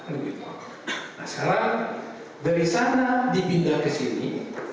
nah sekarang dari sana dipindah ke sini